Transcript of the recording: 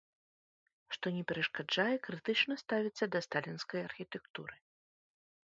Што не перашкаджае крытычна ставіцца да сталінскай архітэктуры.